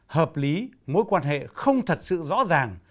hợp lý mối quan hệ không thật sự rõ ràng